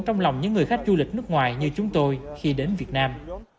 trong lòng những người khách du lịch nước ngoài như chúng tôi khi đến việt nam